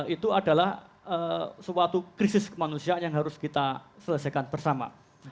itu adalah suatu krisis kemanusiaan yang harus kita selesaikan bersama